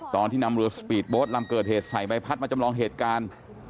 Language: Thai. ตอนที่นำเรือสปีดโบสต์ลำเกิดเหตุใส่ใบพัดมาจำลองเหตุการณ์